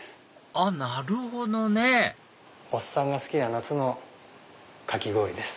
あっなるほどねおっさんが好きな夏のかき氷です。